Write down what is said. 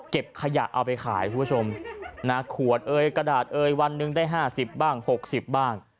ขยะเอาไปขายคุณผู้ชมนะขวดเอ่ยกระดาษเอ่ยวันหนึ่งได้๕๐บ้าง๖๐บ้าง